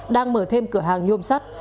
đang mở thêm cửa hàng nhôm sắt